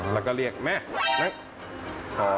แล้วก็เรียกแม่แม่